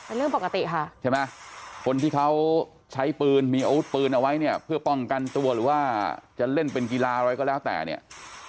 เรื่องปกติค่ะใช่ไหมคนที่เขาใช้ปืนมีอาวุธปืนเอาไว้เนี่ยเพื่อป้องกันตัวหรือว่าจะเล่นเป็นกีฬาอะไรก็แล้วแต่เนี่ย